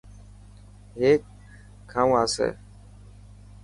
هيڪ کانو آسي.